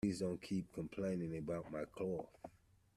Please don't keep complaining about my cough